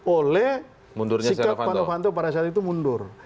oleh sikap pak novanto pada saat itu mundur